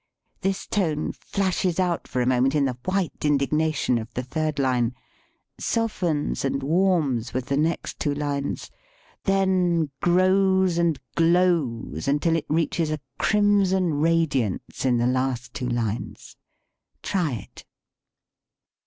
This tone flashes out for a moment in the white indignation of the third line, softens and warms with the next two lines, then grows and glows until it reaches a crimson radiance in the last two lines. Try it!